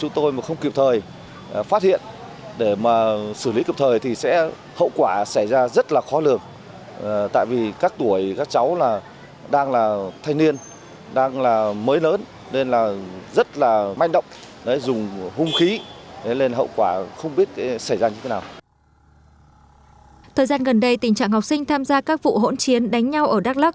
thời gian gần đây tình trạng học sinh tham gia các vụ hỗn chiến đánh nhau ở đắk lắc